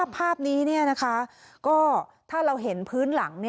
ภาพนี้ก็ถ้าเราเห็นพื้นหลัง